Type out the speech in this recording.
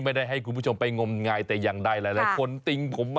ไม่ได้ให้คุณผู้ชมไปงมงายแต่อย่างใด